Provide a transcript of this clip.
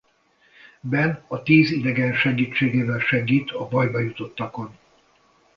Ben a tíz idegen segítségével segít a bajba jutottakon.